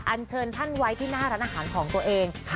อันเชิญท่านไว้ที่หน้าร้านอาหารของตัวเอง